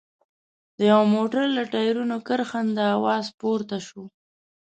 د يوه موټر له ټايرونو کرښنده اواز پورته شو.